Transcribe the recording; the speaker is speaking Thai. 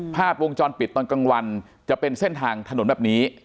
ภาพวงจรปิดตอนกลางวันจะเป็นเส้นทางถนนแบบนี้